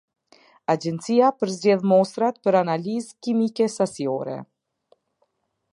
Agjencia përzgjedh mostrat për analizë kimike sasiore.